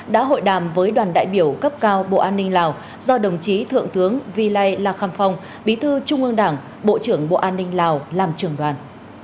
đã hội đàm với đoàn đại biểu cấp cao bộ an ninh lào do đồng chí thượng tướng vi lây la kham phong bí thư trung ương đảng bộ trưởng bộ an ninh lào làm trưởng đoàn